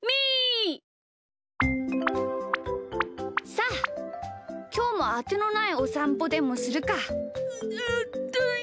さあきょうもあてのないおさんぽでもするか。